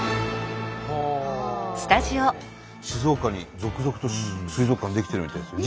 静岡に続々と水族館出来てるみたいですよ。